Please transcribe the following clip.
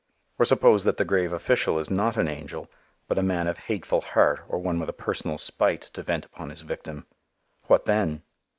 Or suppose that the grave official is not an angel, but a man of hateful heart or one with a personal spite to vent upon his victim. What then?